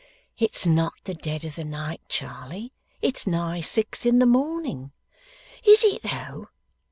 'It's not the dead of the night, Charley. It's nigh six in the morning.' 'Is it though?